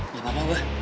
nggak apa apa mbah